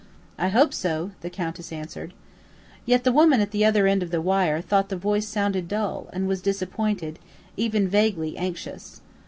"I hope so," the Countess answered. Yet the woman at the other end of the wire thought the voice sounded dull, and was disappointed, even vaguely anxious.